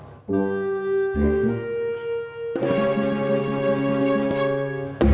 cil lo kenapa capek